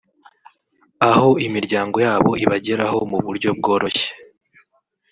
aho imiryango yabo ibageraho mu buryo bworoshye